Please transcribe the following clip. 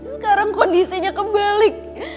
sekarang kondisinya kebalik